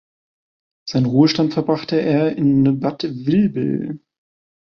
Seinen Ruhestand verbrachte er in Bad Vilbel.